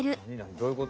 どういうこと？